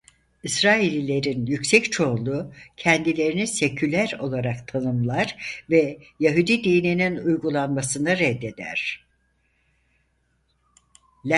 İsraillilerin yüksek çoğunluğu kendilerini seküler olarak tanımlar ve Yahudi dininin uygulanmasını reddeder.